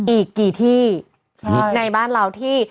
อีกกี่ที่ในบ้านเราที่